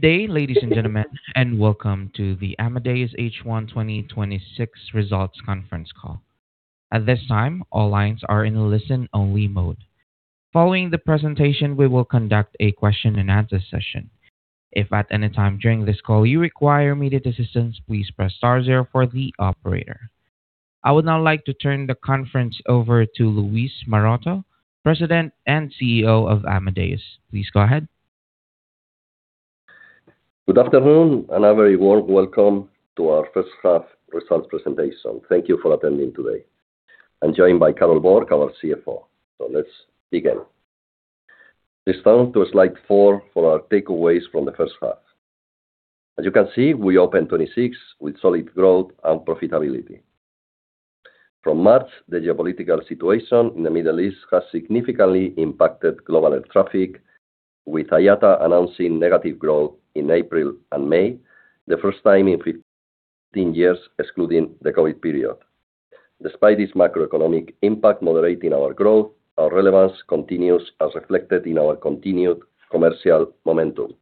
Good day, ladies and gentlemen, and welcome to the Amadeus H1 2026 Results Conference Call. At this time, all lines are in listen-only mode. Following the presentation, we will conduct a question-and-answer session. If at any time during this call you require immediate assistance, please press star zero for the operator. I would now like to turn the conference over to Luis Maroto, President and CEO of Amadeus. Please go ahead. Good afternoon, and a very warm welcome to our first half results presentation. Thank you for attending today. I'm joined by Carol Borg, our CFO. Let's begin. Let's turn to slide four for our takeaways from the first half. As you can see, we opened 2026 with solid growth and profitability. From March, the geopolitical situation in the Middle East has significantly impacted global air traffic, with IATA announcing negative growth in April and May, the first time in 15 years, excluding the COVID period. Despite this macroeconomic impact moderating our growth, our relevance continues as reflected in our continued commercial momentum.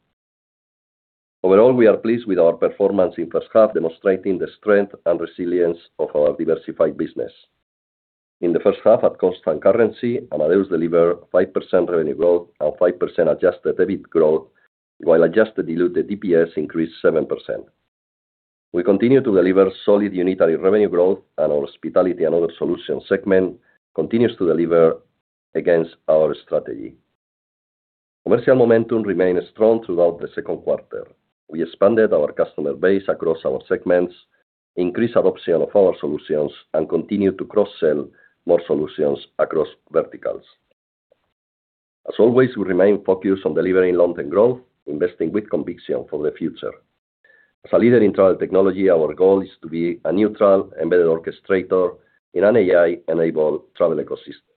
Overall, we are pleased with our performance in the first half, demonstrating the strength and resilience of our diversified business. In the first half at constant currency, Amadeus delivered 5% revenue growth and 5% adjusted EBIT growth, while adjusted diluted EPS increased 7%. We continue to deliver solid unitary revenue growth. Our hospitality and other solutions segment continues to deliver against our strategy. Commercial momentum remained strong throughout the second quarter. We expanded our customer base across our segments, increased adoption of our solutions, and continued to cross-sell more solutions across verticals. As always, we remain focused on delivering long-term growth, investing with conviction for the future. As a leader in travel technology, our goal is to be a neutral, embedded orchestrator in an AI-enabled travel ecosystem.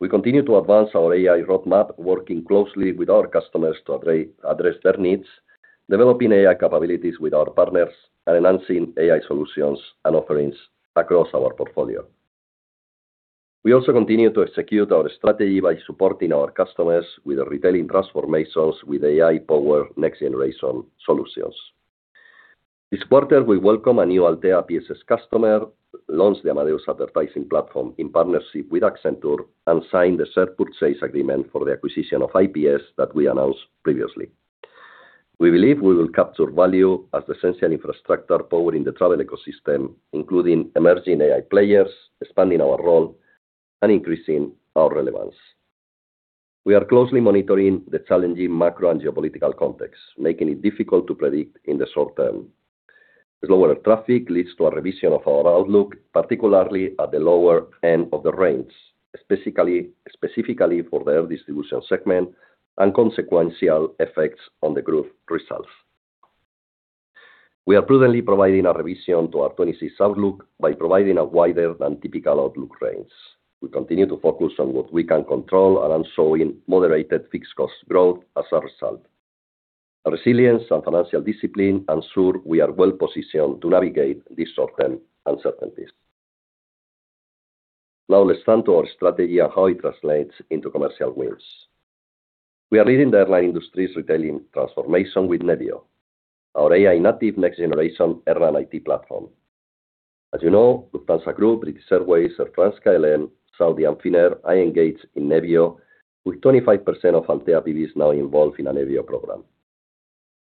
We continue to advance our AI roadmap, working closely with our customers to address their needs, developing AI capabilities with our partners, and enhancing AI solutions and offerings across our portfolio. We also continue to execute our strategy by supporting our customers with retailing transformations with AI-powered next-generation solutions. This quarter, we welcome a new Altéa PSS customer, launched the Amadeus advertising platform in partnership with Accenture, and signed the share purchase agreement for the acquisition of IPS that we announced previously. We believe we will capture value as the essential infrastructure powering the travel ecosystem, including emerging AI players, expanding our role, and increasing our relevance. We are closely monitoring the challenging macro and geopolitical context, making it difficult to predict in the short term. The slower traffic leads to a revision of our outlook, particularly at the lower end of the range, specifically for the air distribution segment and consequential effects on the group results. We are prudently providing a revision to our 2026 outlook by providing a wider-than-typical outlook range. We continue to focus on what we can control and are showing moderated fixed-cost growth as a result. Our resilience and financial discipline ensure we are well-positioned to navigate these short-term uncertainties. Let's turn to our strategy and how it translates into commercial wins. We are leading the airline industry's retailing transformation with Nevio, our AI-native next-generation air and IT platform. As you know, Lufthansa Group, British Airways, Air France-KLM, Saudia, and Finnair are engaged in Nevio, with 25% of Altéa business now involved in a Nevio program.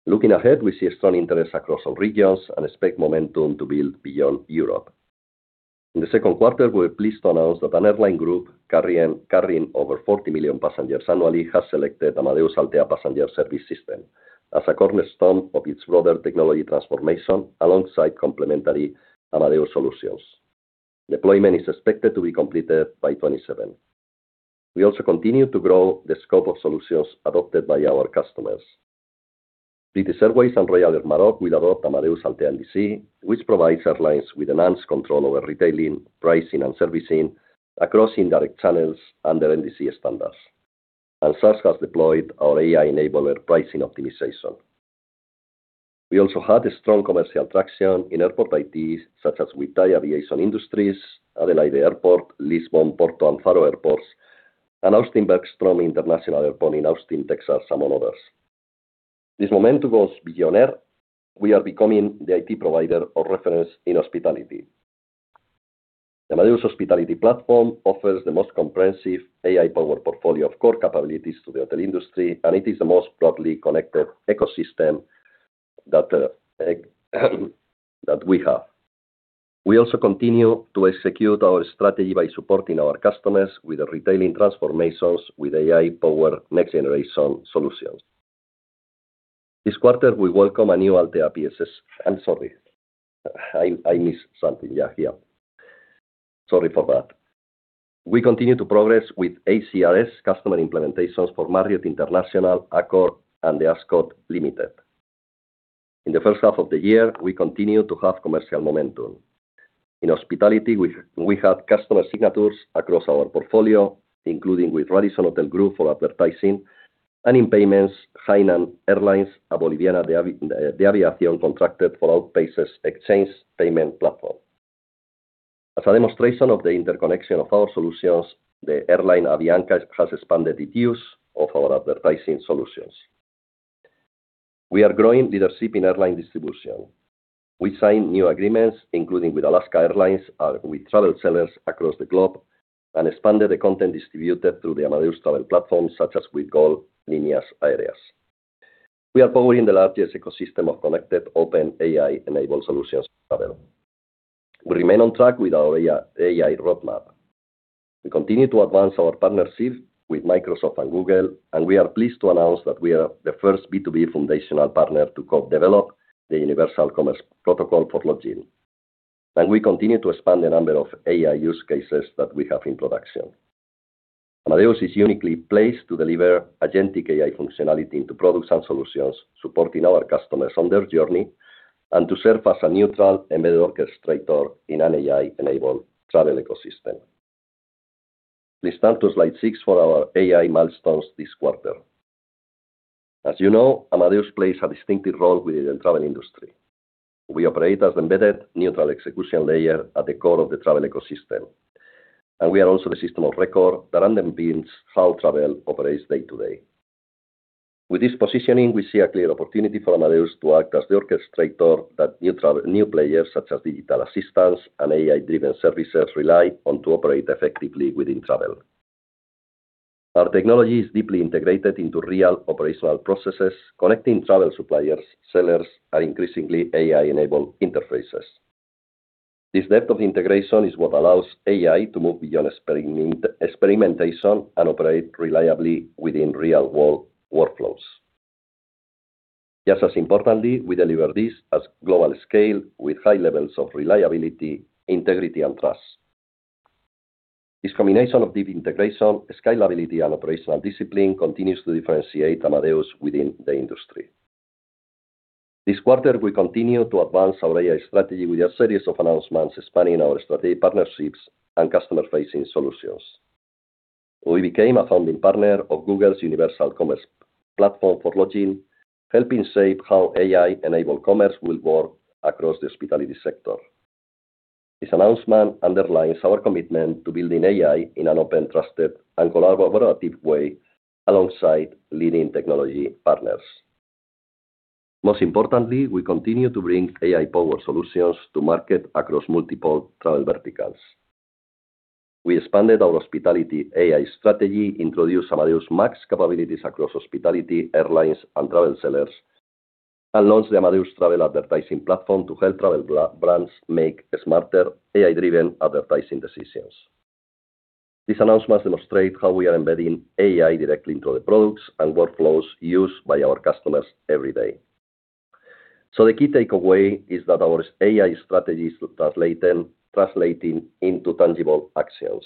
Looking ahead, we see strong interest across all regions and expect momentum to build beyond Europe. In the second quarter, we were pleased to announce that an airline group carrying over 40 million passengers annually has selected Amadeus Altéa Passenger Service System as a cornerstone of its broader technology transformation, alongside complementary Amadeus solutions. Deployment is expected to be completed by 2027. We also continue to grow the scope of solutions adopted by our customers. British Airways and Royal Air Maroc will adopt Amadeus Altéa NDC, which provides airlines with enhanced control over retailing, pricing, and servicing across indirect channels under NDC standards. SAS has deployed our AI-enabled air pricing optimization. We also had strong commercial traction in airport IT, such as with Thai Aviation Industries, Adelaide Airport, Lisbon, Porto, and Faro Airports, and Austin-Bergstrom International Airport in Austin, Texas, among others. This momentum goes beyond air. We are becoming the IT provider of reference in hospitality. The Amadeus hospitality platform offers the most comprehensive AI-powered portfolio of core capabilities to the hotel industry, and it is the most broadly connected ecosystem that we have. We also continue to execute our strategy by supporting our customers with retailing transformations with AI-powered next-generation solutions. This quarter, we welcome a new Altéa PSS. I'm sorry. I missed something. Sorry for that. We continue to progress with ACRS customer implementations for Marriott International, Accor, and The Ascott Limited. In the first half of the year, we continued to have commercial momentum. In hospitality, we had customer signatures across our portfolio, including with Radisson Hotel Group for advertising, and in payments, Hainan Airlines and Boliviana de Aviación contracted for Outpayce Xchange Payment Platform. As a demonstration of the interconnection of our solutions, the airline, Avianca, has expanded the use of our advertising solutions. We are growing leadership in airline distribution. We signed new agreements, including with Alaska Airlines, with travel sellers across the globe, and expanded the content distributed through the Amadeus Travel Platform, such as with Gol Linhas Aéreas. We are powering the largest ecosystem of connected open AI-enabled solutions travel. We remain on track with our AI roadmap. We continue to advance our partnership with Microsoft and Google. We are pleased to announce that we are the first B2B foundational partner to co-develop the Universal Commerce Protocol for Lodging. We continue to expand the number of AI use cases that we have in production. Amadeus is uniquely placed to deliver agentic AI functionality into products and solutions, supporting our customers on their journey, and to serve as a neutral embedded orchestrator in an AI-enabled travel ecosystem. Please turn to slide six for our AI milestones this quarter. As you know, Amadeus plays a distinctive role within the travel industry. We operate as an embedded neutral execution layer at the core of the travel ecosystem, and we are also the system of record that underpins how travel operates day-to-day. With this positioning, we see a clear opportunity for Amadeus to act as the orchestrator that new players such as digital assistants and AI-driven services rely on to operate effectively within travel. Our technology is deeply integrated into real operational processes, connecting travel suppliers, sellers, and increasingly AI-enabled interfaces. This depth of integration is what allows AI to move beyond experimentation and operate reliably within real-world workflows. Just as importantly, we deliver this as global scale with high levels of reliability, integrity, and trust. This combination of deep integration, scalability, and operational discipline continues to differentiate Amadeus within the industry. This quarter, we continue to advance our AI strategy with a series of announcements spanning our strategic partnerships and customer-facing solutions. We became a founding partner of Google's Universal Commerce Protocol for Lodging, helping shape how AI-enabled commerce will work across the hospitality sector. This announcement underlines our commitment to building AI in an open, trusted, and collaborative way alongside leading technology partners. Most importantly, we continue to bring AI-powered solutions to market across multiple travel verticals. We expanded our hospitality AI strategy, introduced Amadeus Max capabilities across hospitality, airlines, and travel sellers, and launched the Amadeus Travel Advertising Platform to help travel brands make smarter AI-driven advertising decisions. These announcements demonstrate how we are embedding AI directly into the products and workflows used by our customers every day. The key takeaway is that our AI strategy is translating into tangible actions.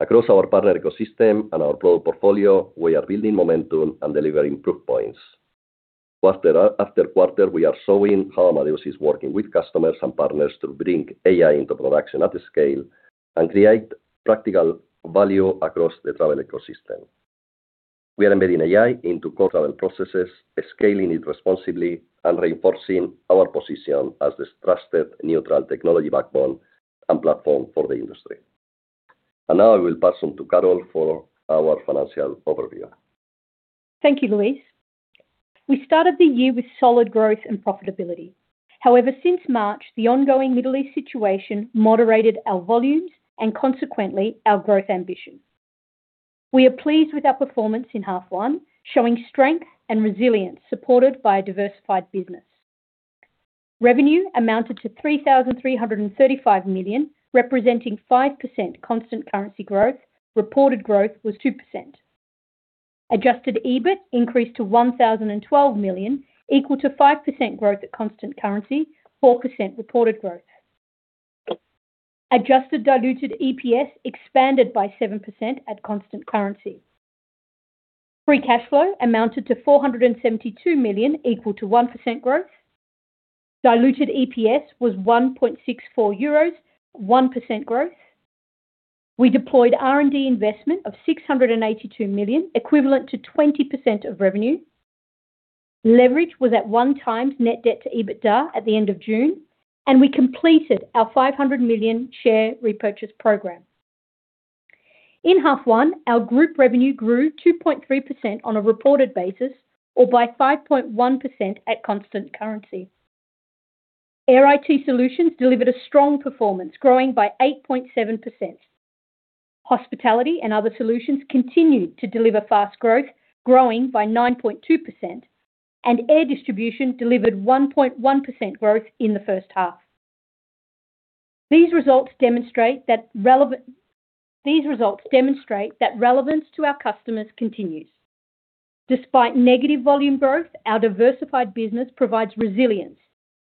Across our partner ecosystem and our product portfolio, we are building momentum and delivering proof points. Quarter after quarter, we are showing how Amadeus is working with customers and partners to bring AI into production at scale and create practical value across the travel ecosystem. We are embedding AI into core travel processes, scaling it responsibly, and reinforcing our position as this trusted neutral technology backbone and platform for the industry. Now I will pass on to Carol for our financial overview. Thank you, Luis. We started the year with solid growth and profitability. However, since March, the ongoing Middle East situation moderated our volumes and consequently our growth ambition. We are pleased with our performance in half one, showing strength and resilience supported by a diversified business. Revenue amounted to 3,335 million, representing 5% constant currency growth. Reported growth was 2%. Adjusted EBIT increased to 1,012 million, equal to 5% growth at constant currency, 4% reported growth. Adjusted diluted EPS expanded by 7% at constant currency. Free cash flow amounted to 472 million, equal to 1% growth. Diluted EPS was 1.64 euros, 1% growth. We deployed R&D investment of 682 million, equivalent to 20% of revenue. Leverage was at 1x net debt to EBITDA at the end of June, and we completed our 500 million share repurchase program. In half one, our group revenue grew 2.3% on a reported basis or by 5.1% at constant currency. Air IT solutions delivered a strong performance, growing by 8.7%. Hospitality and other solutions continued to deliver fast growth, growing by 9.2%, and air distribution delivered 1.1% growth in the first half. These results demonstrate that relevance to our customers continues. Despite negative volume growth, our diversified business provides resilience,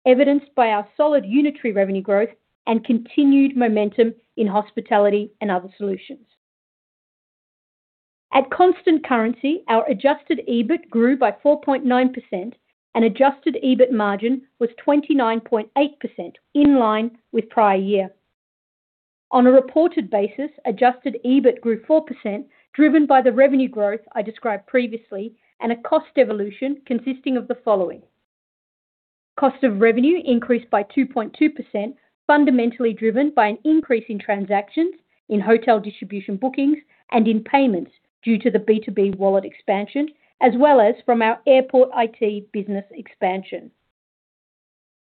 evidenced by our solid unitary revenue growth and continued momentum in hospitality and other solutions. At constant currency, our adjusted EBIT grew by 4.9%, and adjusted EBIT margin was 29.8%, in line with prior year. On a reported basis, adjusted EBIT grew 4%, driven by the revenue growth I described previously and a cost evolution consisting of the following. Cost of revenue increased by 2.2%, fundamentally driven by an increase in transactions in hotel distribution bookings and in payments due to the B2B Wallet expansion, as well as from our airport IT business expansion.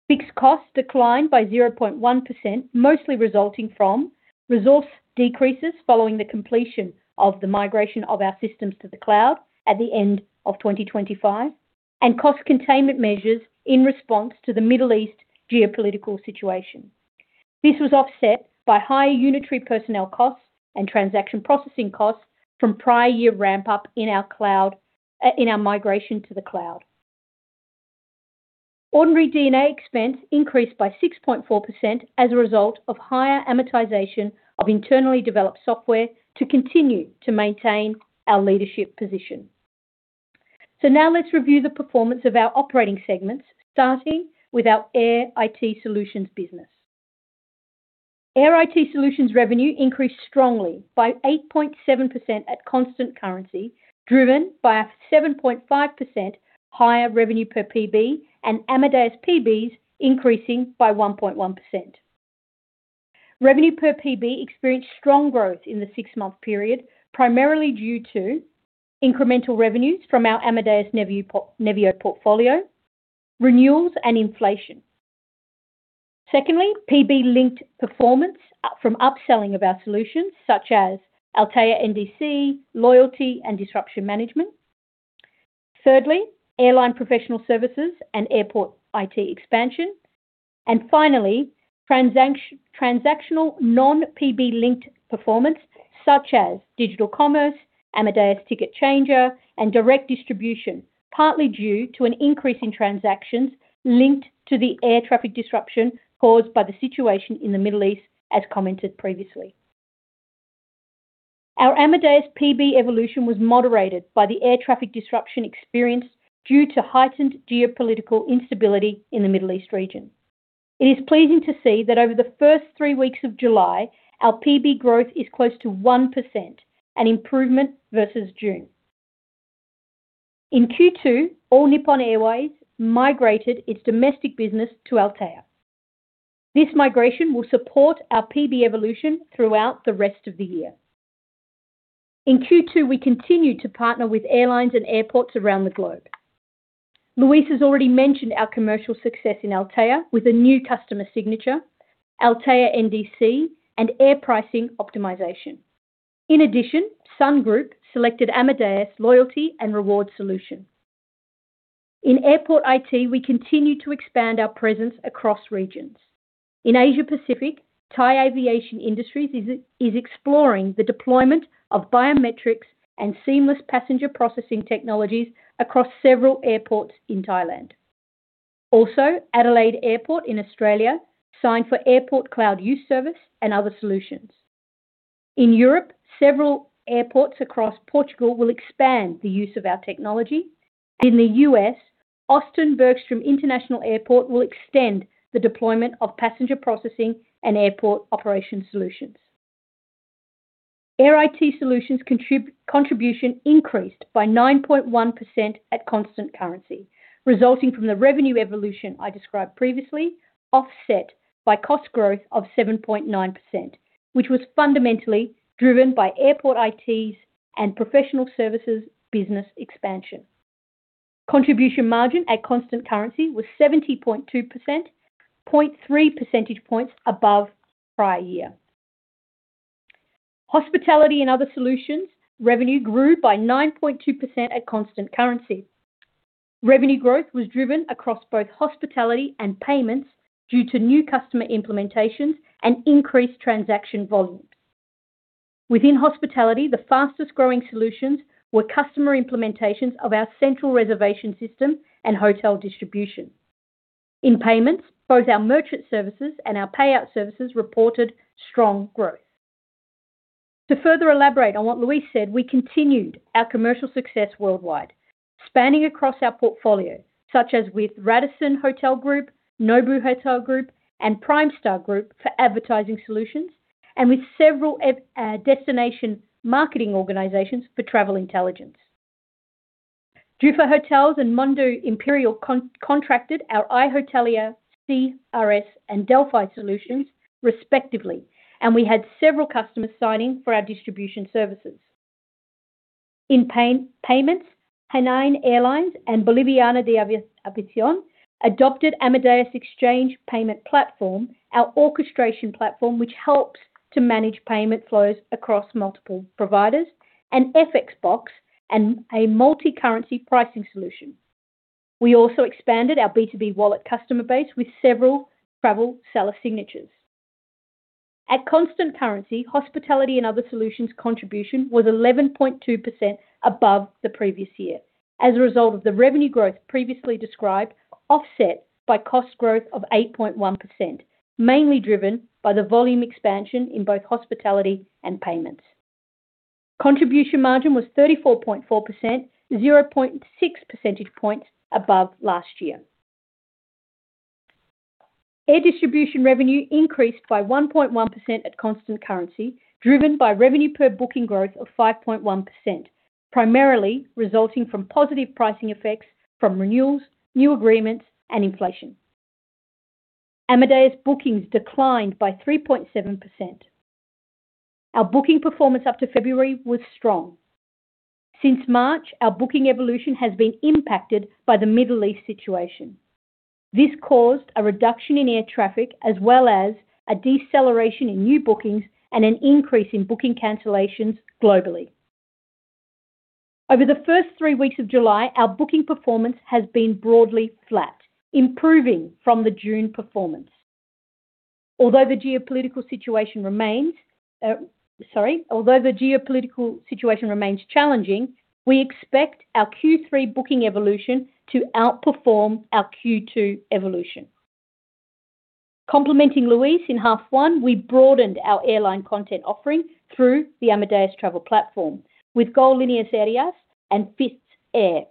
Fixed costs declined by 0.1%, mostly resulting from resource decreases following the completion of the migration of our systems to the cloud at the end of 2025 and cost containment measures in response to the Middle East geopolitical situation. This was offset by higher unitary personnel costs and transaction processing costs from prior year ramp-up in our migration to the cloud. Ordinary D&A expense increased by 6.4% as a result of higher amortization of internally developed software to continue to maintain our leadership position. Now let's review the performance of our operating segments, starting with our Air IT solutions business. Air IT solutions revenue increased strongly by 8.7% at constant currency, driven by a 7.5% higher revenue per PB and Amadeus PBs increasing by 1.1%. Revenue per PB experienced strong growth in the six-month period, primarily due to incremental revenues from our Amadeus Nevio portfolio, renewals, and inflation. Secondly, PB-linked performance from upselling of our solutions such as Altéa NDC, Loyalty, and Disruption Management. Thirdly, airline professional services and airport IT expansion. Finally, transactional non-PB linked performance such as digital commerce, Amadeus Ticket Changer, and direct distribution, partly due to an increase in transactions linked to the air traffic disruption caused by the situation in the Middle East, as commented previously. Our Amadeus PB evolution was moderated by the air traffic disruption experienced due to heightened geopolitical instability in the Middle East region. It is pleasing to see that over the first three weeks of July, our PB growth is close to 1%, an improvement versus June. In Q2, All Nippon Airways migrated its domestic business to Altéa. This migration will support our PB evolution throughout the rest of the year. In Q2, we continued to partner with airlines and airports around the globe. Luis has already mentioned our commercial success in Altéa with a new customer signature, Altéa NDC, and air pricing optimization. In addition, Sun Group selected Amadeus Loyalty and Rewards solution. In airport IT, we continue to expand our presence across regions. In Asia Pacific, Thai Aviation Industries is exploring the deployment of biometrics and seamless passenger processing technologies across several airports in Thailand. Also, Adelaide Airport in Australia signed for airport cloud use service and other solutions. In Europe, several airports across Portugal will expand the use of our technology. In the U.S., Austin-Bergstrom International Airport will extend the deployment of passenger processing and airport operation solutions. Air IT solutions contribution increased by 9.1% at constant currency, resulting from the revenue evolution I described previously, offset by cost growth of 7.9%, which was fundamentally driven by airport IT and professional services business expansion. Contribution margin at constant currency was 70.2%, 0.3 percentage points above prior year. Hospitality and other solutions revenue grew by 9.2% at constant currency. Revenue growth was driven across both hospitality and payments due to new customer implementations and increased transaction volumes. Within hospitality, the fastest-growing solutions were customer implementations of our Central Reservations System and hotel distribution. In payments, both our merchant services and our payout services reported strong growth. To further elaborate on what Luis said, we continued our commercial success worldwide, spanning across our portfolio, such as with Radisson Hotel Group, Nobu Hotels, and Primestar Group for advertising solutions, and with several destination marketing organizations for travel intelligence. Druva Hotels and Mundo Imperial contracted our iHotelier CRS and Delphi solutions, respectively, and we had several customers signing for our distribution services. In payments, Hainan Airlines and Boliviana de Aviación adopted Xchange Payment Platform, our orchestration platform, which helps to manage payment flows across multiple providers, and FX Box and a multi-currency pricing solution. We also expanded our B2B wallet customer base with several travel seller signatures. At constant currency, hospitality and other solutions contribution was 11.2% above the previous year as a result of the revenue growth previously described, offset by cost growth of 8.1%, mainly driven by the volume expansion in both hospitality and payments. Contribution margin was 34.4%, 0.6 percentage points above last year. Air distribution revenue increased by 1.1% at constant currency, driven by revenue per booking growth of 5.1%, primarily resulting from positive pricing effects from renewals, new agreements and inflation. Amadeus bookings declined by 3.7%. Our booking performance up to February was strong. Since March, our booking evolution has been impacted by the Middle East situation. This caused a reduction in air traffic as well as a deceleration in new bookings and an increase in booking cancellations globally. Over the first three weeks of July, our booking performance has been broadly flat, improving from the June performance. Although the geopolitical situation remains challenging, we expect our Q3 booking evolution to outperform our Q2 evolution. Complementing Luis, in half one, we broadened our airline content offering through the Amadeus Travel Platform with Gol Linhas Aéreas and FitsAir.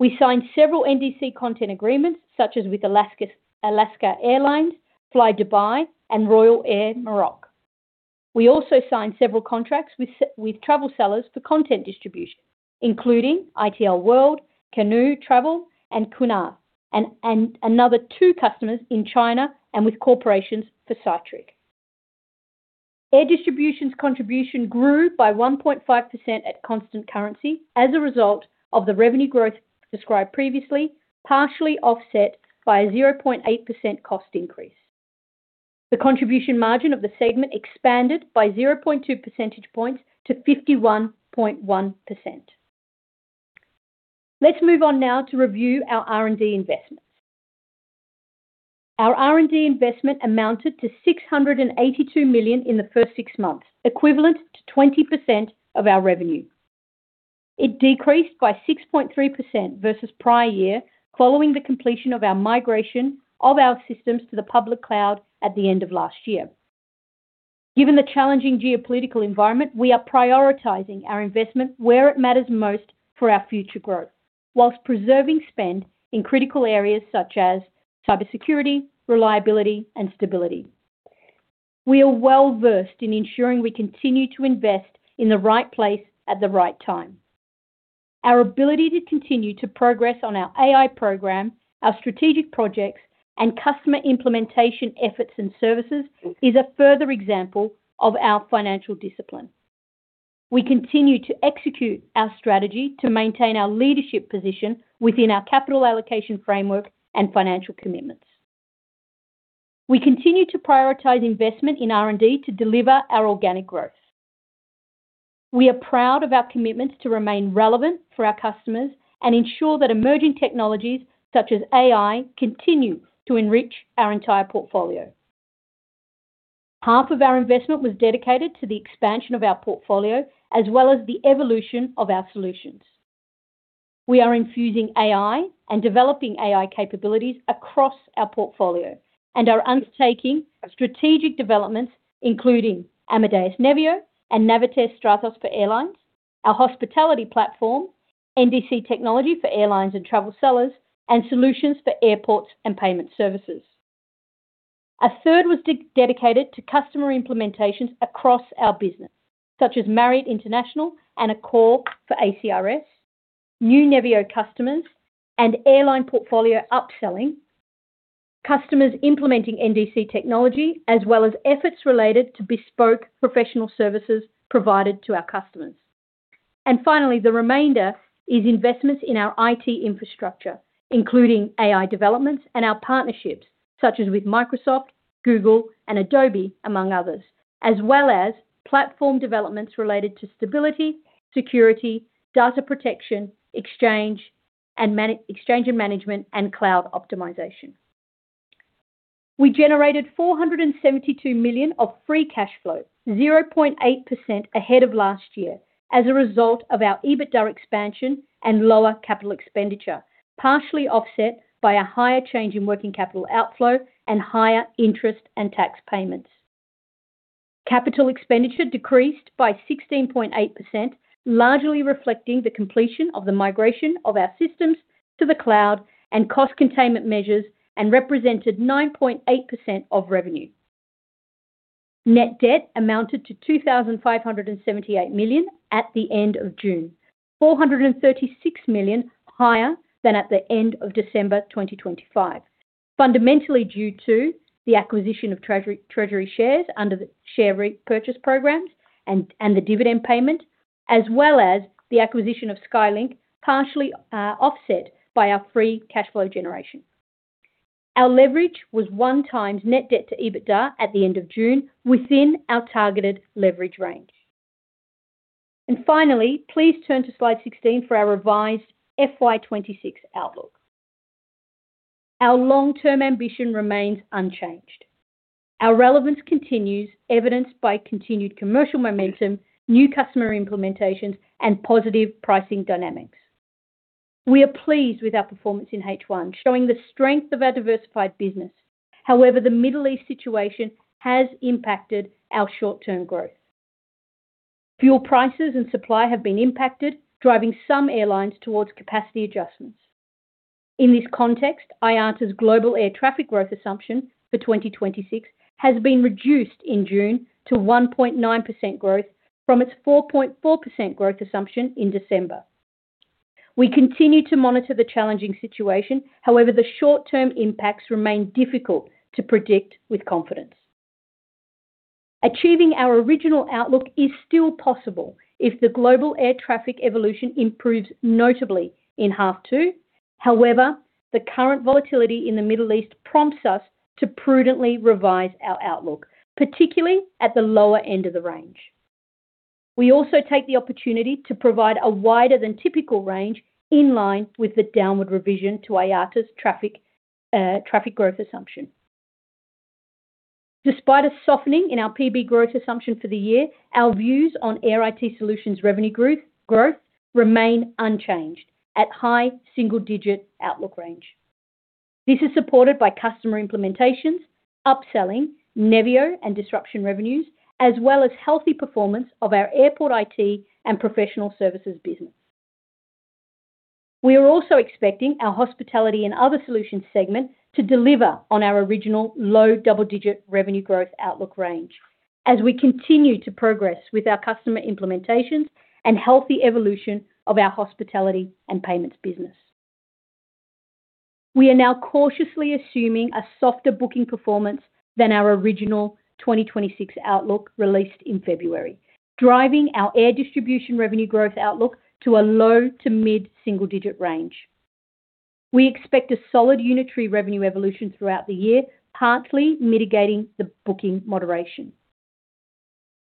We signed several NDC content agreements such as with Alaska Airlines, flydubai and Royal Air Maroc. We also signed several contracts with travel sellers for content distribution, including ITL World, Canoe Travel and Qunar, and another two customers in China and with corporations for Cytric. Air distribution's contribution grew by 1.5% at constant currency as a result of the revenue growth described previously, partially offset by a 0.8% cost increase. The contribution margin of the segment expanded by 0.2 percentage points to 51.1%. Let's move on now to review our R&D investments. Our R&D investment amounted to 682 million in the first six months, equivalent to 20% of our revenue. It decreased by 6.3% versus prior year following the completion of our migration of our systems to the public cloud at the end of last year. Given the challenging geopolitical environment, we are prioritizing our investment where it matters most for our future growth, whilst preserving spend in critical areas such as cybersecurity, reliability and stability. We are well-versed in ensuring we continue to invest in the right place at the right time. Our ability to continue to progress on our AI program, our strategic projects and customer implementation efforts and services is a further example of our financial discipline. We continue to execute our strategy to maintain our leadership position within our capital allocation framework and financial commitments. We continue to prioritize investment in R&D to deliver our organic growth. We are proud of our commitment to remain relevant for our customers and ensure that emerging technologies such as AI continue to enrich our entire portfolio. Half of our investment was dedicated to the expansion of our portfolio as well as the evolution of our solutions. We are infusing AI and developing AI capabilities across our portfolio and are undertaking strategic developments including Amadeus Nevio and Navitaire Stratos for airlines, our hospitality platform, NDC Technology for airlines and travel sellers, and solutions for airports and payment services. A third was dedicated to customer implementations across our business such as Marriott International and Accor for CRS, new Nevio customers and airline portfolio upselling, customers implementing NDC Technology as well as efforts related to bespoke professional services provided to our customers. Finally, the remainder is investments in our IT infrastructure including AI developments and our partnerships such as with Microsoft, Google and Adobe among others. As well as platform developments related to stability, security, data protection, exchange and management and cloud optimization. We generated 472 million of free cash flow, 0.8% ahead of last year as a result of our EBITDA expansion and lower capital expenditure, partially offset by a higher change in working capital outflow and higher interest and tax payments. Capital expenditure decreased by 16.8%, largely reflecting the completion of the migration of our systems to the cloud and cost containment measures and represented 9.8% of revenue. Net debt amounted to 2,578 million at the end of June. 436 million higher than at the end of December 2025. Fundamentally due to the acquisition of treasury shares under the share repurchase programs and the dividend payment, as well as the acquisition of SkyLink partially offset by our free cash flow generation. Our leverage was one times net debt to EBITDA at the end of June within our targeted leverage range. Finally, please turn to slide 16 for our revised FY 2026 outlook. Our long-term ambition remains unchanged. Our relevance continues, evidenced by continued commercial momentum, new customer implementations and positive pricing dynamics. We are pleased with our performance in H1, showing the strength of our diversified business. However, the Middle East situation has impacted our short-term growth. Fuel prices and supply have been impacted, driving some airlines towards capacity adjustments. In this context, IATA's global air traffic growth assumption for 2026 has been reduced in June to 1.9% growth from its 4.4% growth assumption in December. We continue to monitor the challenging situation. However, the short-term impacts remain difficult to predict with confidence. Achieving our original outlook is still possible if the global air traffic evolution improves notably in half two. However, the current volatility in the Middle East prompts us to prudently revise our outlook, particularly at the lower end of the range. We also take the opportunity to provide a wider than typical range in line with the downward revision to IATA's traffic growth assumption. Despite a softening in our PB growth assumption for the year, our views on Air IT Solutions revenue growth remain unchanged at high single-digit outlook range. This is supported by customer implementations, upselling, Nevio and disruption revenues, as well as healthy performance of our Airport IT and professional services business. We are also expecting our Hospitality and Other Solutions segment to deliver on our original low double-digit revenue growth outlook range as we continue to progress with our customer implementations and healthy evolution of our hospitality and payments business. We are now cautiously assuming a softer booking performance than our original 2026 outlook released in February, driving our Air Distribution revenue growth outlook to a low to mid single-digit range. We expect a solid unitary revenue evolution throughout the year, partly mitigating the booking moderation.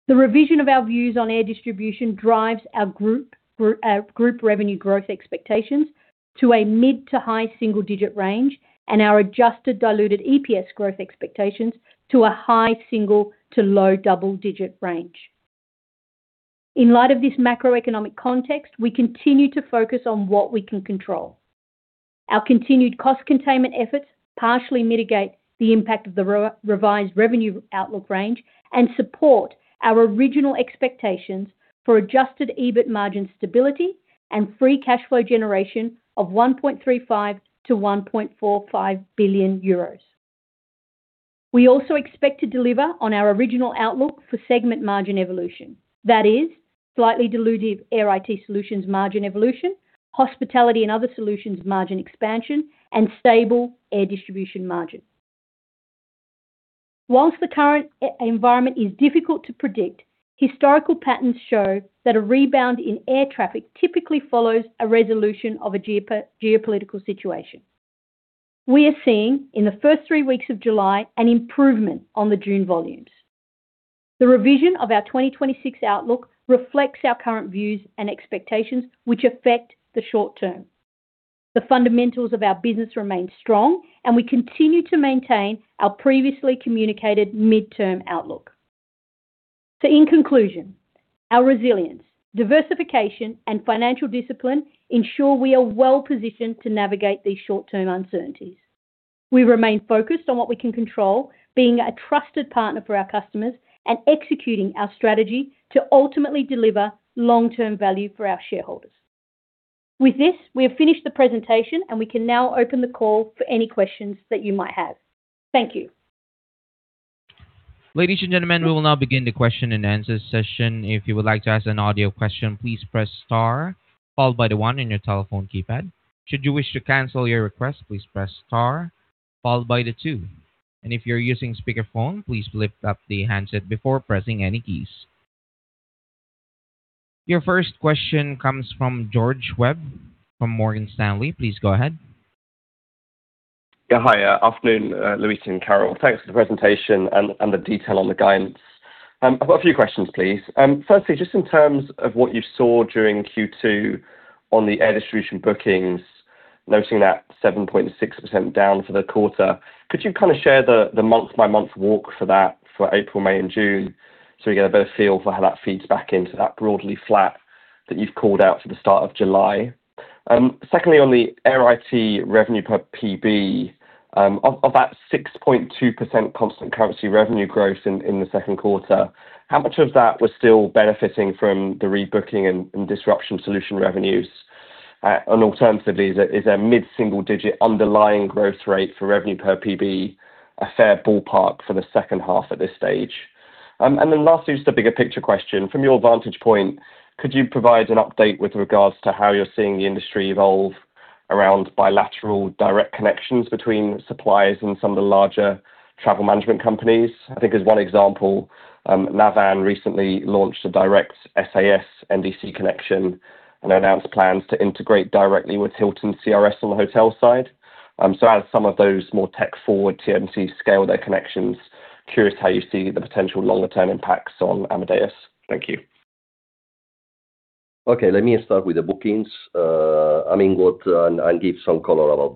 The revision of our views on Air Distribution drives our group revenue growth expectations to a mid to high single-digit range and our adjusted diluted EPS growth expectations to a high single to low double-digit range. In light of this macroeconomic context, we continue to focus on what we can control. Our continued cost containment efforts partially mitigate the impact of the revised revenue outlook range and support our original expectations for adjusted EBIT margin stability and free cash flow generation of 1.35 billion-1.45 billion euros. We also expect to deliver on our original outlook for segment margin evolution. That is, slightly dilutive Air IT Solutions margin evolution, Hospitality and Other Solutions margin expansion, and stable Air Distribution margin. Whilst the current environment is difficult to predict, historical patterns show that a rebound in air traffic typically follows a resolution of a geopolitical situation. We are seeing, in the first three weeks of July, an improvement on the June volumes. The revision of our 2026 outlook reflects our current views and expectations, which affect the short term. The fundamentals of our business remain strong, and we continue to maintain our previously communicated midterm outlook. In conclusion, our resilience, diversification, and financial discipline ensure we are well-positioned to navigate these short-term uncertainties. We remain focused on what we can control, being a trusted partner for our customers, and executing our strategy to ultimately deliver long-term value for our shareholders. With this, we have finished the presentation, and we can now open the call for any questions that you might have. Thank you. Ladies and gentlemen, we will now begin the question and answer session. If you would like to ask an audio question, please press star followed by one on your telephone keypad. Should you wish to cancel your request, please press star followed by two. If you're using speakerphone, please lift up the handset before pressing any keys. Your first question comes from George Webb from Morgan Stanley. Please go ahead. Yeah. Hi. Afternoon, Luis and Carol. Thanks for the presentation and the detail on the guidance. I've got a few questions, please. Firstly, just in terms of what you saw during Q2 on the air distribution bookings, noting that 7.6% down for the quarter, could you share the month-by-month walk for that for April, May, and June so we get a better feel for how that feeds back into that broadly flat that you've called out for the start of July? Secondly, on the Air IT revenue per PB, of that 6.2% constant currency revenue growth in the second quarter, how much of that was still benefiting from the rebooking and disruption solution revenues? Alternatively, is a mid-single digit underlying growth rate for revenue per PB a fair ballpark for the second half at this stage? Lastly, just a bigger picture question. From your vantage point, could you provide an update with regards to how you're seeing the industry evolve around bilateral direct connections between suppliers and some of the larger travel management companies? I think as one example, Navan recently launched a direct SAS NDC connection and announced plans to integrate directly with Hilton CRS on the hotel side. As some of those more tech forward TMC scale their connections, curious how you see the potential longer-term impacts on Amadeus. Thank you. Okay, let me start with the bookings and give some color about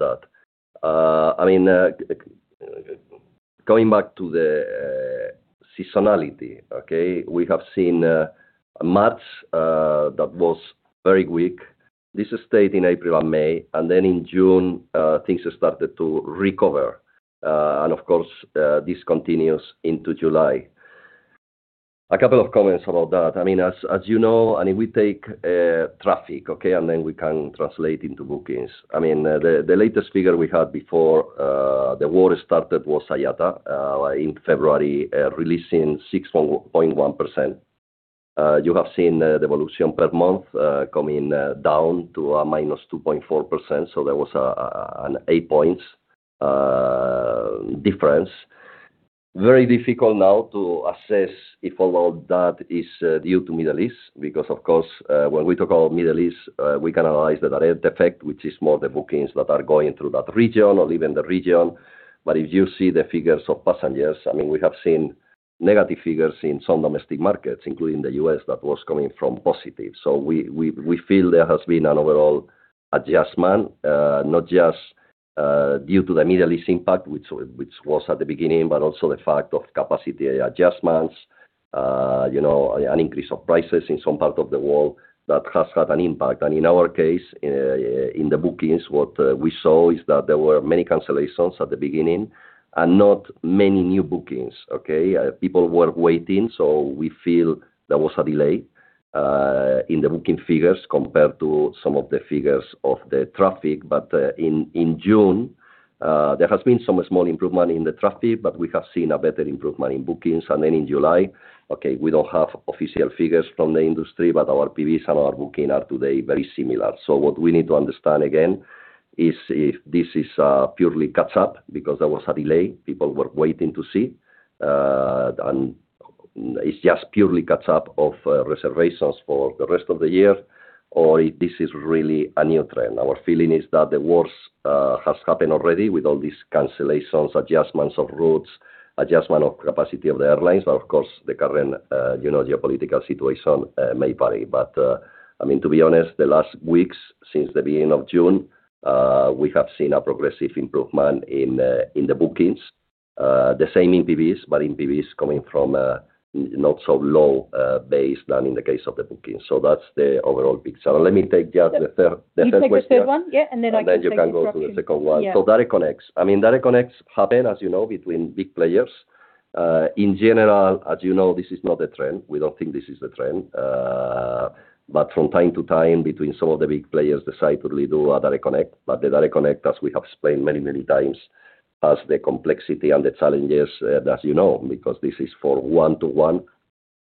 that. Going back to the seasonality, okay, we have seen March that was very weak. This stayed in April and May, in June things started to recover. Of course, this continues into July. A couple of comments about that. As you know, if we take traffic, okay, we can translate into bookings. The latest figure we had before the war started was IATA in February, releasing 6.1%. You have seen the evolution per month coming down to a -2.4%, there was an 8 points difference. Very difficult now to assess if all that is due to Middle East, because of course, when we talk about Middle East, we can analyze the direct effect, which is more the bookings that are going through that region or leaving the region. If you see the figures of passengers, we have seen negative figures in some domestic markets, including the U.S., that was coming from positive. We feel there has been an overall adjustment, not just due to the Middle East impact, which was at the beginning, but also the fact of capacity adjustments, an increase of prices in some part of the world that has had an impact. In our case, in the bookings, what we saw is that there were many cancellations at the beginning and not many new bookings. Okay. People were waiting, so we feel there was a delay in the booking figures compared to some of the figures of the traffic. In June, there has been some small improvement in the traffic, but we have seen a better improvement in bookings. In July, okay, we don't have official figures from the industry, but our PBs and our booking are today very similar. What we need to understand again is if this is purely catch up because there was a delay, people were waiting to see, and it's just purely catch up of reservations for the rest of the year, or if this is really a new trend. Our feeling is that the worst has happened already with all these cancellations, adjustments of routes, adjustment of capacity of the airlines, and of course, the current geopolitical situation may vary. To be honest, the last weeks, since the beginning of June, we have seen a progressive improvement in the bookings. The same in PBs, but in PBs coming from a not so low base than in the case of the bookings. That's the overall picture. Let me take just the third question. You take the third one. Yeah. I can take disruption. You can go to the second one. Yeah. Direct connects. Direct connects happen, as you know, between big players. In general, as you know, this is not a trend. We don't think this is a trend. From time to time between some of the big players decide to really do a direct connect, but the direct connect, as we have explained many, many times, has the complexity and the challenges, as you know, because this is for one-to-one.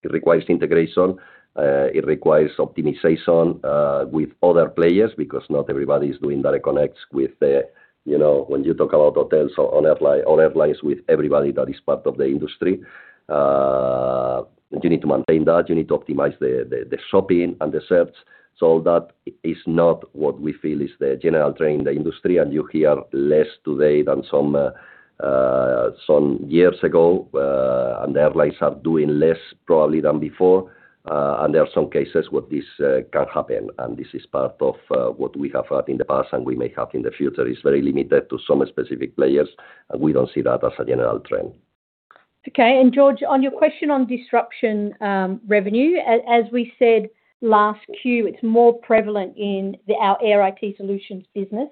It requires integration, it requires optimization with other players because not everybody is doing direct connects with, when you talk about hotels or airlines, with everybody that is part of the industry. You need to maintain that. You need to optimize the shopping and the search. That is not what we feel is the general trend in the industry, and you hear less today than some years ago. The airlines are doing less probably than before. There are some cases where this can happen, and this is part of what we have had in the past and we may have in the future. It's very limited to some specific players, and we don't see that as a general trend. Okay. George, on your question on disruption revenue, as we said last Q, it's more prevalent in our air IT solutions business.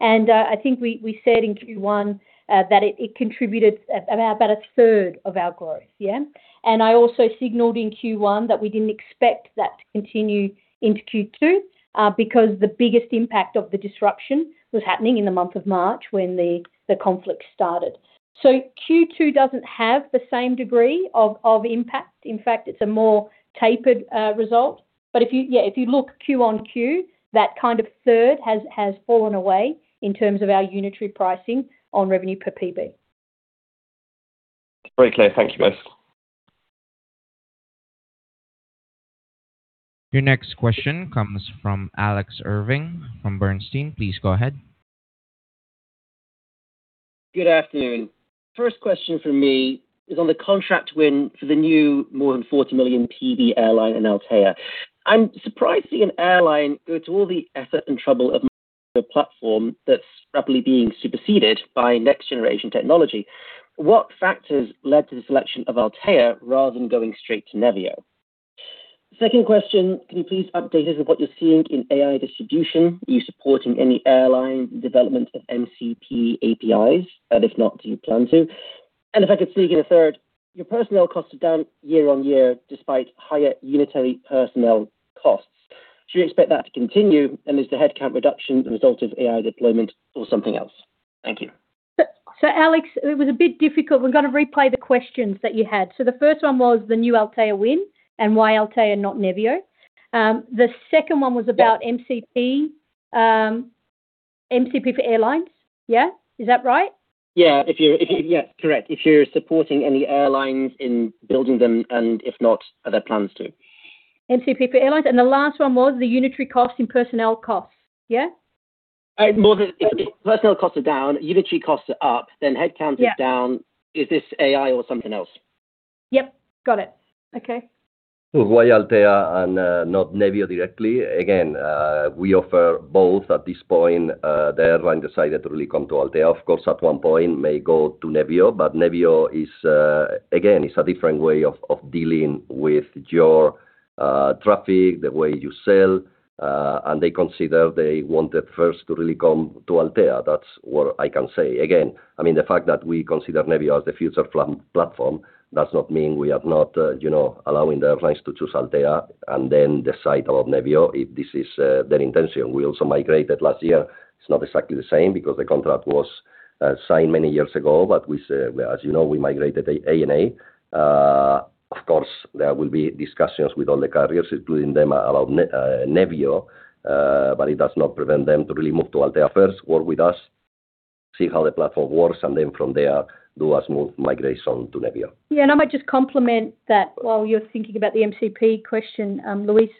I think we said in Q1 that it contributed about a third of our growth. Yeah. I also signaled in Q1 that we didn't expect that to continue into Q2 because the biggest impact of the disruption was happening in the month of March when the conflict started. Q2 doesn't have the same degree of impact. In fact, it's a more tapered result. Yeah, if you look Q-on-Q, that kind of third has fallen away in terms of our unitary pricing on revenue per PB. Very clear. Thank you both. Your next question comes from Alex Irving from Bernstein. Please go ahead. Good afternoon. First question from me is on the contract win for the new more than 40 million PB airline and Altéa. I am surprised to see an airline go to all the effort and trouble of a platform that is rapidly being superseded by next generation technology. What factors led to the selection of Altéa rather than going straight to Nevio? Second question, can you please update us with what you are seeing in AI distribution? Are you supporting any airline development of MCP APIs? If not, do you plan to? If I could sneak in a third. Your personnel costs are down year-on-year despite higher unitary personnel costs. Do you expect that to continue? And is the headcount reduction the result of AI deployment or something else? Thank you. Alex, it was a bit difficult. We are going to replay the questions that you had. The first one was the new Altéa win and why Altéa and not Nevio. The second one was about MCP. MCP for airlines. Yeah. Is that right? Yeah. Correct. If you're supporting any airlines in building them, and if not, are there plans to? MCP for airlines. The last one was the unitary cost and personnel costs. Yeah? More the personnel costs are down, unitary costs are up, then headcount is down. Yeah. Is this AI or something else? Yep. Got it. Okay. Why Altéa and not Nevio directly? We offer both at this point. The airline decided to really come to Altéa. At one point may go to Nevio, but Nevio is, I mean, it's a different way of dealing with your traffic, the way you sell, and they consider they wanted first to really come to Altéa. That's what I can say. I mean, the fact that we consider Nevio as the future platform does not mean we are not allowing the airlines to choose Altéa and then decide about Nevio if this is their intention. We also migrated last year. It's not exactly the same because the contract was signed many years ago, but as you know, we migrated ANA. There will be discussions with all the carriers, including them, about Nevio, but it does not prevent them to really move to Altéa first, work with us, see how the platform works, and from there, do a smooth migration to Nevio. I might just complement that while you're thinking about the MCP question, Luis.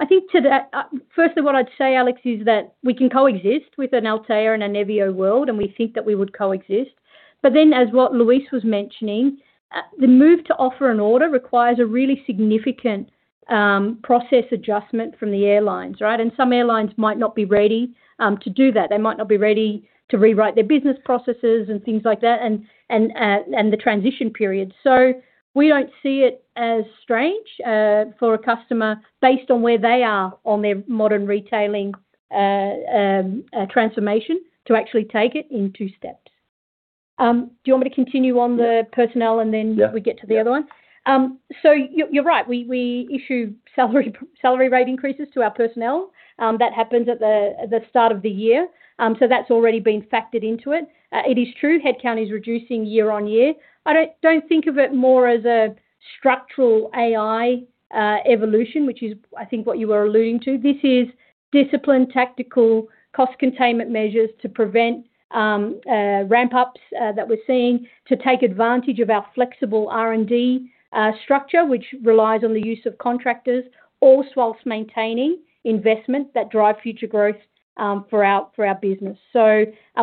I think firstly, what I'd say, Alex, is that we can coexist with an Altéa and a Nevio world, and we think that we would coexist. As what Luis was mentioning, the move to offer and order requires a really significant process adjustment from the airlines, right? Some airlines might not be ready to do that. They might not be ready to rewrite their business processes and things like that, and the transition period. We don't see it as strange for a customer based on where they are on their modern retailing transformation to actually take it in two steps. Do you want me to continue on the personnel and we get to the other one? Yeah. You're right, we issue salary rate increases to our personnel. That happens at the start of the year. That's already been factored into it. It is true, headcount is reducing year-on-year. I don't think of it more as a structural AI evolution, which is I think what you were alluding to. This is disciplined tactical cost containment measures to prevent ramp-ups that we're seeing to take advantage of our flexible R&D structure, which relies on the use of contractors, all whilst maintaining investment that drive future growth for our business.